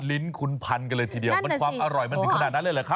ลิ้นคุณพันกันเลยทีเดียวมันความอร่อยมันถึงขนาดนั้นเลยเหรอครับ